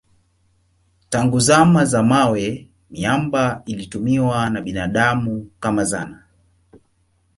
Tangu zama za mawe miamba ilitumiwa na binadamu kama zana.